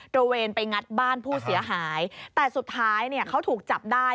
ระเวนไปงัดบ้านผู้เสียหายแต่สุดท้ายเนี่ยเขาถูกจับได้